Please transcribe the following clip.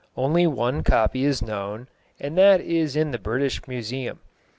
Only one copy is known, and that is in the British Museum.